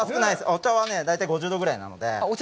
お茶は大体５０度ぐらいなので。